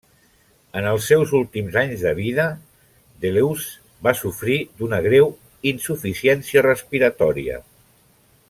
En els seus últims anys de vida, Deleuze va sofrir d'una greu insuficiència respiratòria.